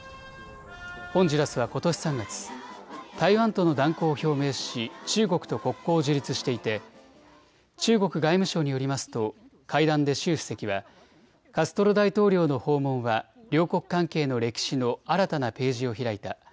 ホンジュラスはことし３月、台湾との断交を表明し中国と国交を樹立していて中国外務省によりますと会談で習主席はカストロ大統領の訪問は両国関係の歴史の新たなページを開いた。